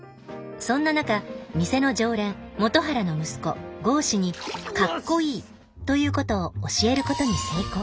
そんな中店の常連本原の息子剛士に「かっこいい」ということを教えることに成功